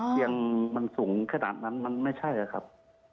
เตียงมันสูงขนาดนั้นมันไม่ใช่ครับ